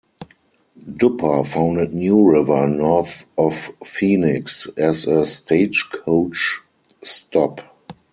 Duppa founded New River, north of Phoenix, as a stagecoach stop.